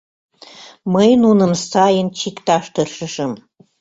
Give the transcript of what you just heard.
— Мый нуным сайын чикташ тыршышым.